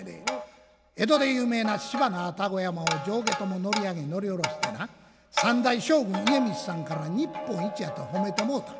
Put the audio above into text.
江戸で有名な芝の愛宕山を上下とも乗り上げ乗り下ろしてな三代将軍家光さんから日本一やと褒めてもうた。